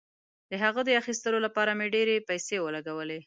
د هغه د اخیستلو لپاره مې ډیرې پیسې ولګولې.